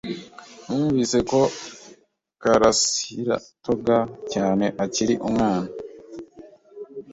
Numvise ko Karasiraatoga cyane akiri umwana.